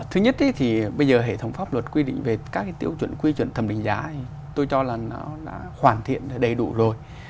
thứ nhất thì bây giờ hệ thống pháp luật quy định về các cái tiêu chuẩn quy chuẩn thẩm định giá tôi cho là nó đã hoàn thiện đầy đủ rồi